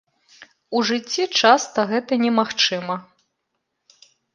У жыцці часта гэта немагчыма.